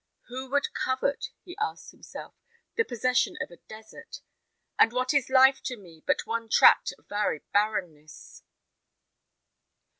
"Who would covet," he asked himself, "the possession of a desert, and what is life to me but one tract of arid barrenness!"